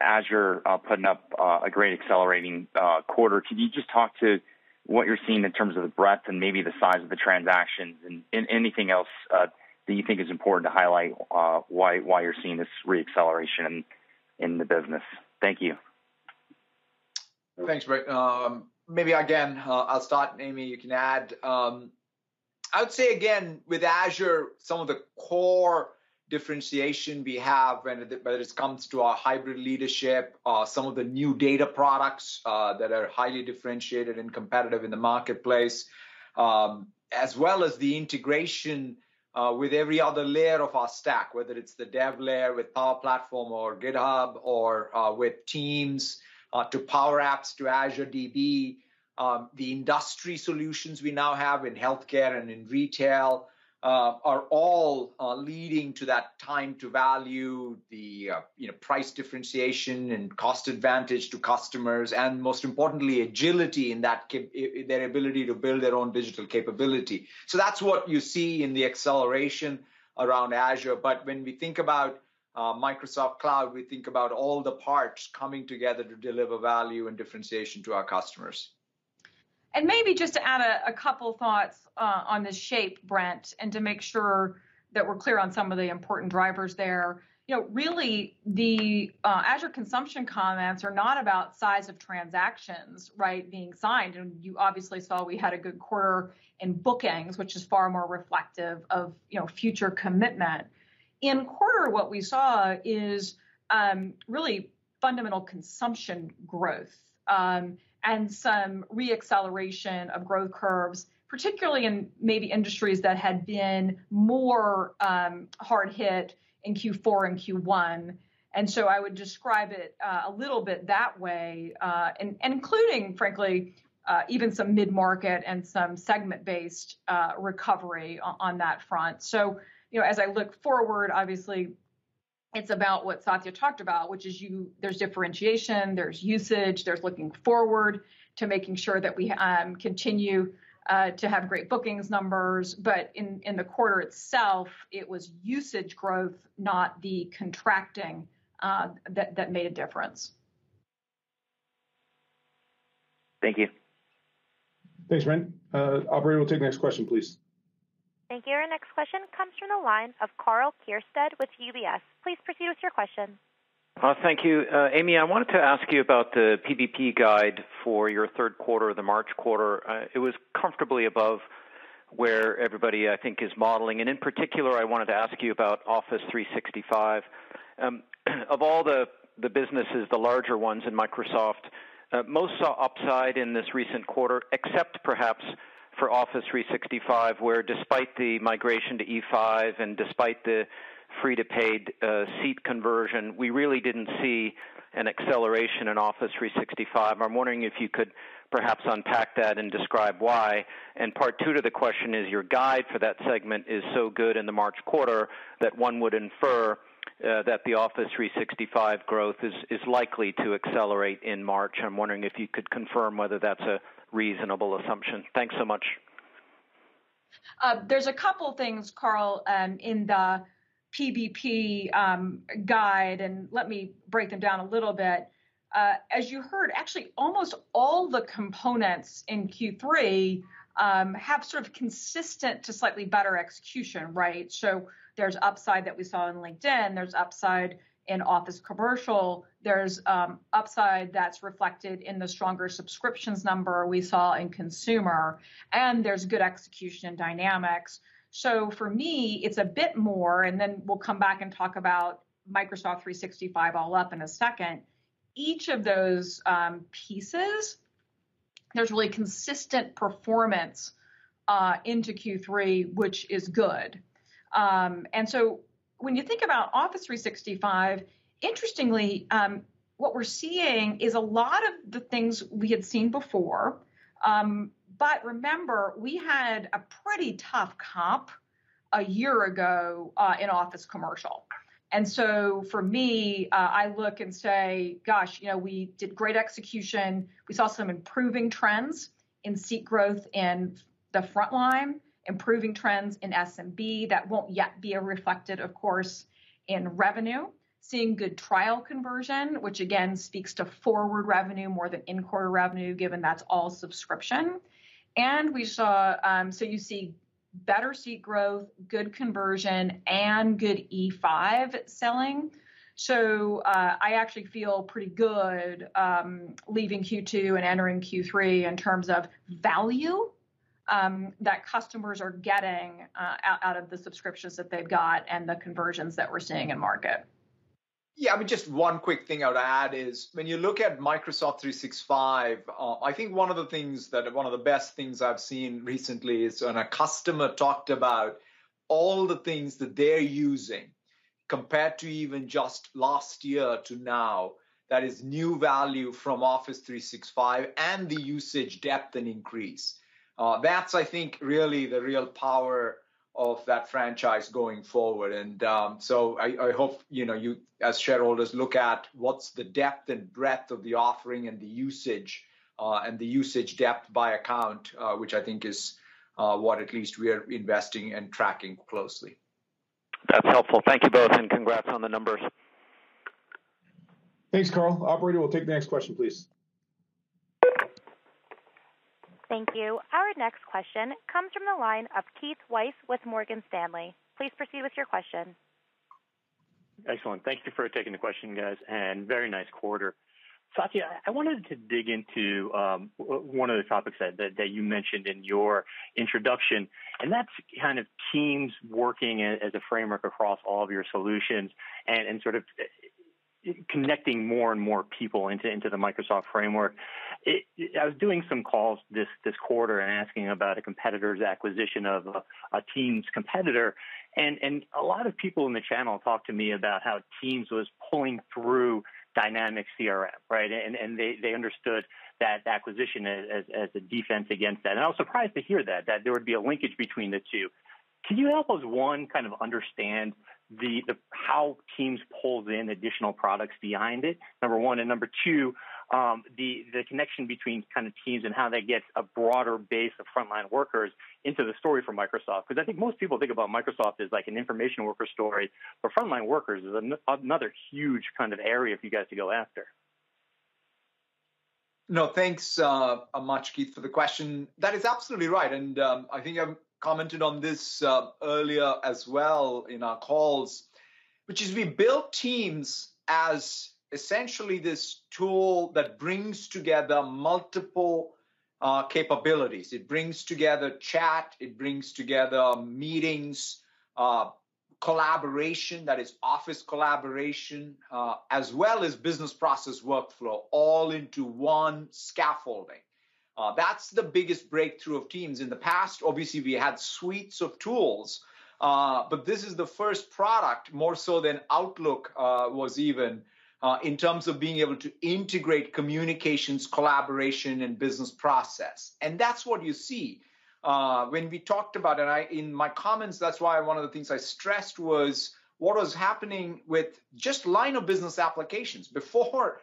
Azure putting up a great accelerating quarter. Could you just talk to what you're seeing in terms of the breadth and maybe the size of the transactions and anything else that you think is important to highlight, why you're seeing this re-acceleration in the business? Thank you. Thanks, Brent. Maybe again, I'll start and, Amy, you can add. I would say again with Azure some of the core differentiation we have when it, whether it comes to our hybrid leadership, some of the new data products that are highly differentiated and competitive in the marketplace, as well as the integration with every other layer of our stack, whether it's the dev layer with Power Platform or GitHub or with Microsoft Teams to Power Apps to Azure DB, the industry solutions we now have in healthcare and in retail are all leading to that time to value the, you know, price differentiation and cost advantage to customers and most importantly, agility in their ability to build their own digital capability. That's what you see in the acceleration around Azure. When we think about Microsoft Cloud, we think about all the parts coming together to deliver value and differentiation to our customers. Maybe just to add a couple thoughts on the shape, Brent, and to make sure that we're clear on some of the important drivers there. You know, really the Azure consumption comments are not about size of transactions, right, being signed, and you obviously saw we had a good quarter in bookings, which is far more reflective of, you know, future commitment. In quarter what we saw is really fundamental consumption growth and some re-acceleration of growth curves, particularly in maybe industries that had been more hard hit in Q4 and Q1. I would describe it a little bit that way, and including frankly, even some mid-market and some segment-based recovery on that front. You know, as I look forward, obviously, it's about what Satya talked about, which is there's differentiation, there's usage, there's looking forward to making sure that we continue to have great bookings numbers. In the quarter itself it was usage growth, not the contracting that made a difference. Thank you. Thanks, Brent. Operator, we'll take the next question, please. Thank you. Our next question comes from the line of Karl Keirstead with UBS. Please proceed with your question. Thank you. Amy, I wanted to ask you about the PBP guide for your third quarter, the March quarter. It was comfortably above where everybody, I think is modeling, and in particular I wanted to ask you about Office 365. Of all the businesses, the larger ones in Microsoft, most saw upside in this recent quarter except perhaps for Office 365 where despite the migration to Microsoft 365 E5 and despite the free-to-paid seat conversion, we really didn't see an acceleration in Office 365. I'm wondering if you could perhaps unpack that and describe why. Part two to the question is your guide for that segment is so good in the March quarter that one would infer that the Office 365 growth is likely to accelerate in March. I'm wondering if you could confirm whether that's a reasonable assumption. Thanks so much. There are a couple things, Karl, in the PBP guide, and let me break them down a little bit. As you heard, actually, almost all the components in Q3 have sort of consistent to slightly better execution, right. There's upside that we saw in LinkedIn, there's upside in Office Commercial, there's upside that's reflected in the stronger subscriptions number we saw in Consumer, and there's good execution in Dynamics. For me, it's a bit more. We'll come back and talk about Microsoft 365 all up in a second. Each of those pieces, there's really consistent performance into Q3, which is good. When you think about Office 365, interestingly, what we're seeing is a lot of the things we had seen before, remember, we had a pretty tough comp a year ago in Office Commercial. For me, I look and say, gosh, you know, we did great execution. We saw some improving trends in seat growth in the frontline, improving trends in SMB that won't yet be reflected, of course, in revenue. Seeing good trial conversion, which again speaks to forward revenue more than in-quarter revenue, given that's all subscription. We saw, you see better seat growth, good conversion, and good Microsoft 365 E5 selling. I actually feel pretty good leaving Q2 and entering Q3 in terms of value that customers are getting out of the subscriptions that they've got and the conversions that we're seeing in market. I mean, just one quick thing I would add is when you look at Microsoft 365, I think one of the things that, or one of the best things I've seen recently is when a customer talked about all the things that they're using compared to even just last year to now, that is new value from Office 365 and the usage depth and increase. That's, I think, really the real power of that franchise going forward. I hope you know, you as shareholders look at what's the depth and breadth of the offering and the usage, and the usage depth by account, which I think is what at least we are investing and tracking closely. That's helpful. Thank you both, and congrats on the numbers. Thanks, Karl. Operator, we'll take the next question, please. Thank you. Our next question comes from the line of Keith Weiss with Morgan Stanley. Please proceed with your question. Excellent. Thank you for taking the question, guys, and very nice quarter. Satya, I wanted to dig into one of the topics that you mentioned in your introduction, and that's kind of Microsoft Teams working as a framework across all of your solutions and sort of connecting more and more people into the Microsoft framework. I was doing some calls this quarter and asking about a competitor's acquisition of a Microsoft Teams competitor, and a lot of people in the channel talked to me about how Microsoft Teams was pulling through Dynamics CRM, right? They understood that acquisition as a defense against that. I was surprised to hear that there would be a linkage between the two. Can you help us, one, kind of understand the, how Microsoft Teams pulls in additional products behind it, number one? Number two, the connection between kind of Microsoft Teams and how they get a broader base of frontline workers into the story for Microsoft, 'cause I think most people think about Microsoft as, like, an information worker story, but frontline workers is another huge kind of area for you guys to go after? No, thanks much, Keith, for the question. That is absolutely right, and I think I've commented on this earlier as well in our calls, which is we built Microsoft Teams as essentially this tool that brings together multiple capabilities. It brings together chat, it brings together meetings, collaboration, that is Office collaboration, as well as business process workflow all into one scaffolding. That's the biggest breakthrough of Microsoft Teams. In the past, obviously, we had suites of tools, but this is the first product, more so than Outlook, was even in terms of being able to integrate communications, collaboration, and business process, and that's what you see when we talked about it. In my comments, that's why one of the things I stressed was what was happening with just line of business applications. Before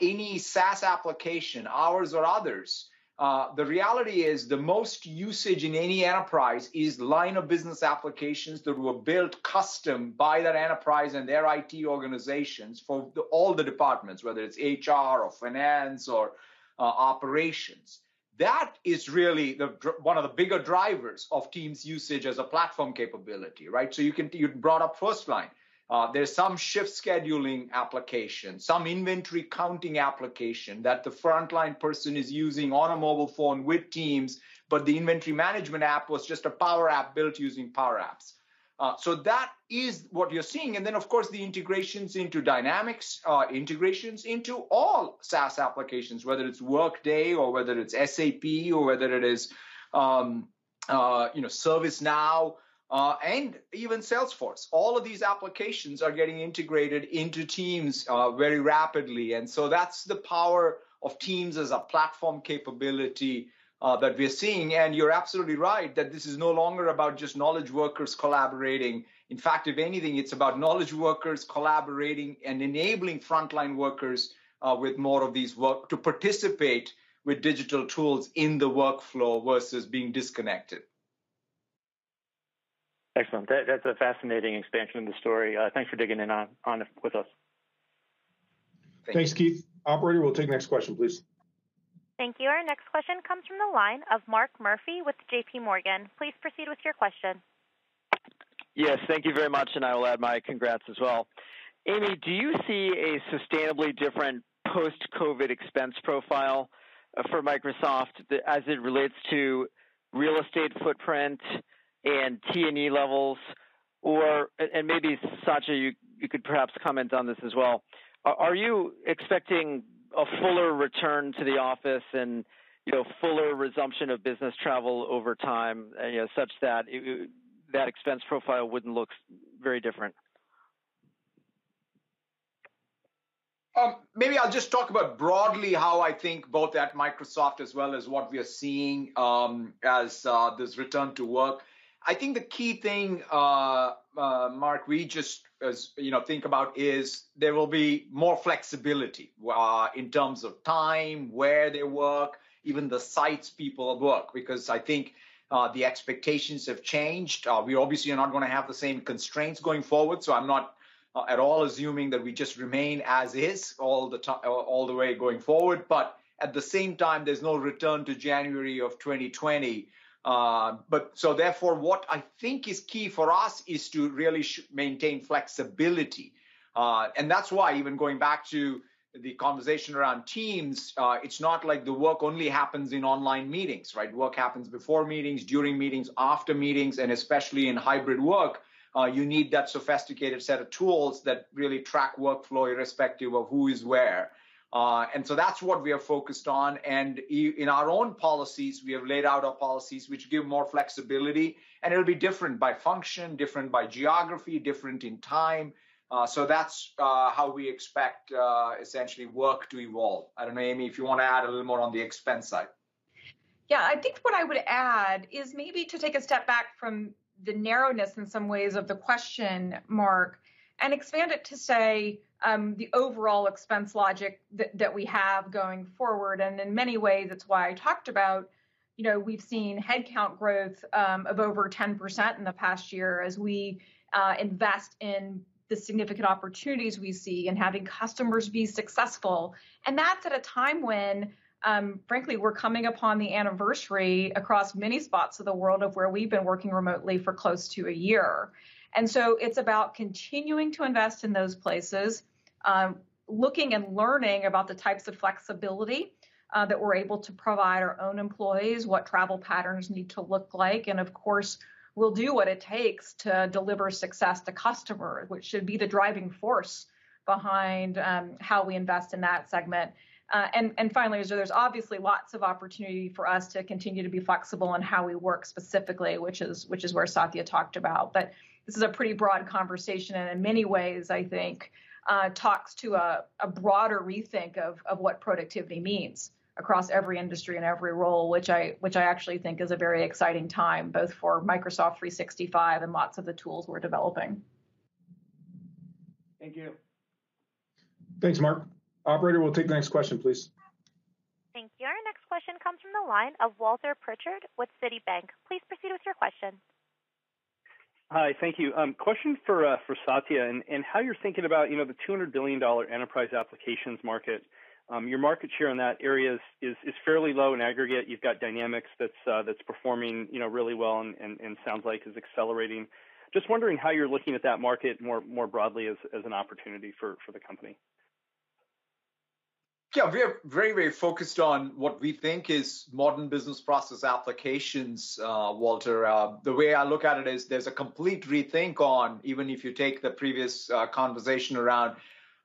any SaaS application, ours or others, the reality is the most usage in any enterprise is line of business applications that were built custom by that enterprise and their IT organizations for the, all the departments, whether it's HR or finance or operations. That is really one of the bigger drivers of Microsoft Teams usage as a platform capability, right? You brought up first line. There's some shift scheduling application, some inventory counting application that the frontline person is using on a mobile phone with Microsoft Teams, but the inventory management app was just a Power App built using Power Apps. That is what you're seeing, of course the integrations into Dynamics, integrations into all SaaS applications, whether it's Workday or whether it's SAP or whether it is, you know, ServiceNow, and even Salesforce. All of these applications are getting integrated into Teams very rapidly, and so that's the power of Teams as a platform capability that we're seeing. You're absolutely right that this is no longer about just knowledge workers collaborating. In fact, if anything, it's about knowledge workers collaborating and enabling frontline workers with more of these to participate with digital tools in the workflow, versus being disconnected. Excellent. That's a fascinating expansion of the story. Thanks for digging in on it with us. Thanks. Thanks, Keith. Operator, we'll take the next question, please. Thank you. Our next question comes from the line of Mark Murphy with JPMorgan. Please proceed with your question. Thank you very much, I will add my congrats as well. Amy, do you see a sustainably different post-COVID expense profile for Microsoft as it relates to real estate footprint and T&E levels? Maybe, Satya, you could perhaps comment on this as well. Are you expecting a fuller return to the office and, you know, fuller resumption of business travel over time, such that that expense profile wouldn't look very different? Maybe I'll just talk about broadly how I think both at Microsoft as well as what we are seeing as this return to work. I think the key thing, Mark, we just, as, you know, think about is there will be more flexibility in terms of time, where they work, even the sites people work because I think the expectations have changed. We obviously are not going to have the same constraints going forward, so I'm not at all assuming that we just remain as is all the way going forward. At the same time, there's no return to January of 2020. Therefore what I think is key for us is to really maintain flexibility. That's why even going back to the conversation around Microsoft Teams, it's not like the work only happens in online meetings, right? Work happens before meetings, during meetings, after meetings, and especially in hybrid work, you need that sophisticated set of tools that really track workflow irrespective of who is where. That's what we are focused on. In our own policies, we have laid out our policies which give more flexibility, and it'll be different by function, different by geography, different in time. That's how we expect essentially work to evolve. I don't know, Amy, if you wanna add a little more on the expense side. Yeah. I think what I would add is maybe to take a step back from the narrowness in some ways of the question, Mark, and expand it to say, the overall expense logic that we have going forward. In many ways, that's why I talked about, you know, we've seen headcount growth of over 10% in the past year as we invest in the significant opportunities we see in having customers be successful. That's at a time when, frankly, we're coming upon the anniversary across many spots of the world of where we've been working remotely for close to a year. It's about continuing to invest in those places, looking and learning about the types of flexibility that we're able to provide our own employees, what travel patterns need to look like, and of course, we'll do what it takes to deliver success to customers, which should be the driving force behind how we invest in that segment. Finally, there are obviously lots of opportunity for us to continue to be flexible on how we work, specifically, which is where Satya talked about. This is a pretty broad conversation, and in many ways, I think, talks to a broader rethink of what productivity means across every industry and every role, which I actually think is a very exciting time, both for Microsoft 365 and lots of the tools we're developing. Thank you. Thanks, Mark. Operator, we'll take the next question, please. Thank you. Our next question comes from the line of Walter Pritchard with Citibank. Please proceed with your question. Hi. Thank you. Question for Satya and how you're thinking about, you know, the $200 billion enterprise applications market. Your market share in that area is fairly low in aggregate. You've got Dynamics that's performing, you know, really well and sounds like is accelerating. Just wondering how you're looking at that market more broadly as an opportunity for the company. Yeah. We are very focused on what we think is modern business process applications, Walter. The way I look at it is there's a complete rethink on, even if you take the previous conversation around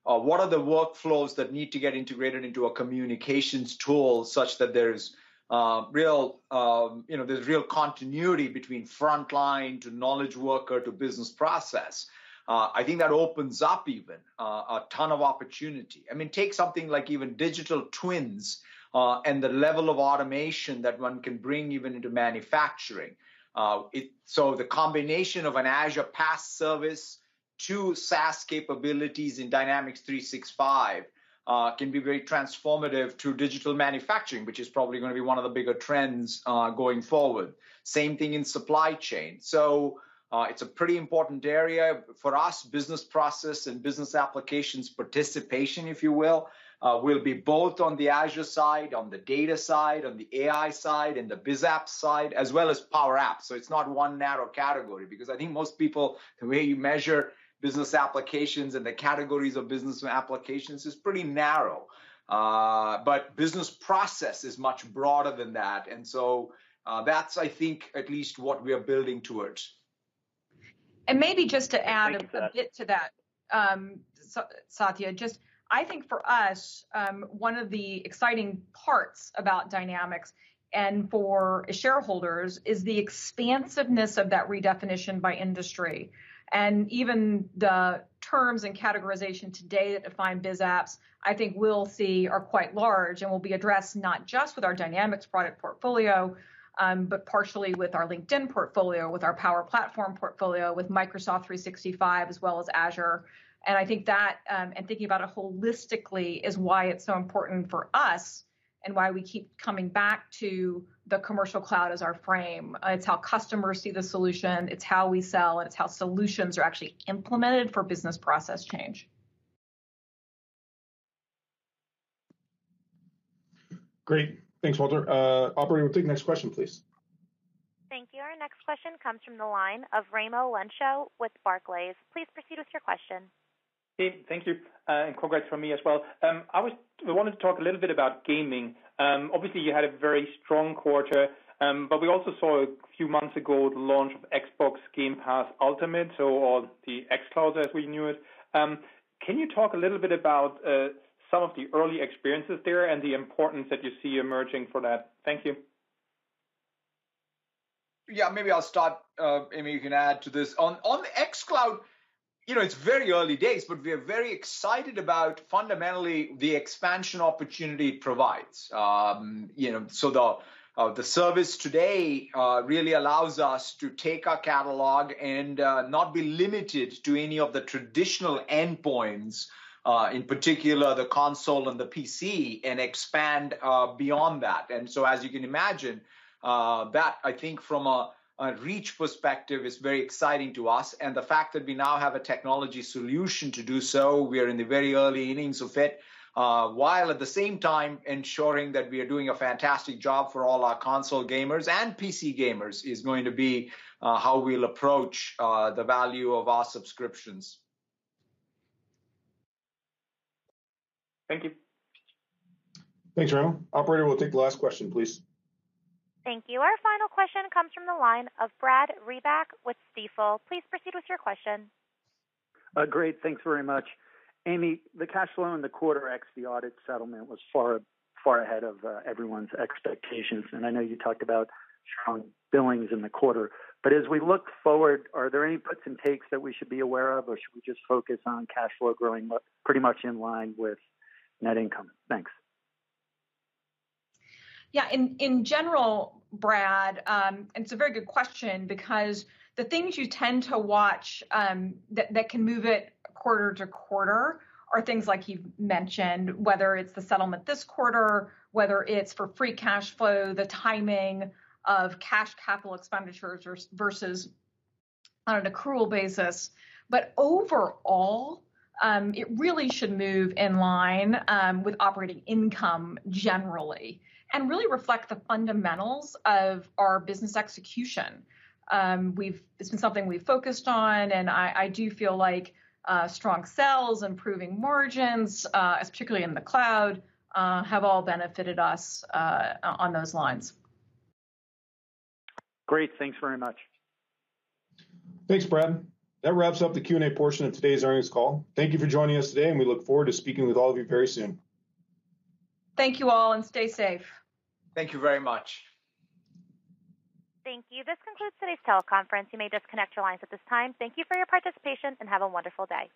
what are the workflows that need to get integrated into a communications tool such that there's real, you know, there's real continuity between frontline to knowledge worker to business process. I think that opens up even a ton of opportunity. I mean, take something like even digital twins and the level of automation that one can bring even into manufacturing. The combination of an Azure PaaS service to SaaS capabilities in Dynamics 365 can be very transformative to digital manufacturing, which is probably gonna be one of the bigger trends going forward. Same thing in supply chain. It's a pretty important area. For us, business process and business applications participation, if you will be both on the Azure side, on the data side, on the AI side, and the BizApp side, as well as Power Apps, it's not one narrow category. I think most people, the way you measure business applications and the categories of business applications is pretty narrow. But business process is much broader than that's, I think, at least what we are building towards. Maybe just to add a bit to that Satya, just I think for us, one of the exciting parts about Dynamics and for shareholders is the expansiveness of that redefinition by industry. Even the terms and categorization today that define BizApps I think we'll see are quite large and will be addressed not just with our Dynamics product portfolio, but partially with our LinkedIn portfolio, with our Power Platform portfolio, with Microsoft 365, as well as Azure. I think that, and thinking about it holistically, is why it's so important for us and why we keep coming back to the commercial cloud as our frame. It's how customers see the solution, it's how we sell, and it's how solutions are actually implemented for business process change. Great. Thanks, Walter. Operator, we'll take the next question, please. Thank you. Our next question comes from the line of Raimo Lenschow with Barclays. Please proceed with your question. Hey, thank you, and congrats from me as well. We wanted to talk a little bit about gaming. Obviously you had a very strong quarter, but we also saw a few months ago the launch of Xbox Game Pass Ultimate, so all the xCloud as we knew it. Can you talk a little bit about some of the early experiences there and the importance that you see emerging for that? Thank you. Yeah, maybe I'll start. Amy, you can add to this. On the xCloud, you know, it's very early days, but we are very excited about fundamentally the expansion opportunity it provides. You know, the service today really allows us to take our catalog and not be limited to any of the traditional endpoints, in particular the console and the PC, and expand beyond that. As you can imagine, that I think from a reach perspective is very exciting to us. The fact that we now have a technology solution to do so, we are in the very early innings of it, while at the same time ensuring that we are doing a fantastic job for all our console gamers and PC gamers is going to be how we'll approach the value of our subscriptions. Thank you. Thanks, Raimo. Operator, we'll take the last question, please. Thank you. Our final question comes from the line of Brad Reback with Stifel. Please proceed with your question. Great. Thanks very much. Amy, the cash flow in the quarter excluding the audit settlement was far, far ahead of everyone's expectations, and I know you talked about strong billings in the quarter. As we look forward, are there any puts and takes that we should be aware of, or should we just focus on cash flow growing pretty much in line with net income? Thanks. In general, Brad, it's a very good question because the things you tend to watch that can move it quarter-to-quarter are things like you've mentioned, whether it's the settlement this quarter, whether it's for free cash flow, the timing of cash capital expenditures versus on an accrual basis. Overall, it really should move in line with operating income generally, and really reflect the fundamentals of our business execution. This has been something we've focused on, and I do feel like strong sales, improving margins, particularly in the cloud, have all benefited us on those lines. Great. Thanks very much. Thanks, Brad. That wraps up the Q&A portion of today's earnings call. Thank you for joining us today, and we look forward to speaking with all of you very soon. Thank you all, and stay safe. Thank you very much. Thank you. This concludes today's teleconference. You may disconnect your lines at this time. Thank you for your participation and have a wonderful day.